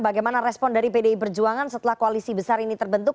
bagaimana respon dari pdi perjuangan setelah koalisi besar ini terbentuk